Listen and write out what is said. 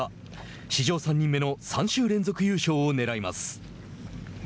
史上３人目の３週連続優勝をねらいます。